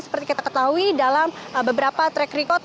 seperti kita ketahui dalam beberapa track record